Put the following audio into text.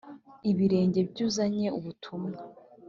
ibirenge by’uzanye ubutumwa